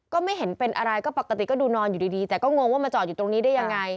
ก็ไม่เห็นเป็นอะไรก็ปกติก็ดูนอนอยู่ดีแต่ก็งงว่ามาจอดอยู่ตรงนี้ได้ยังไง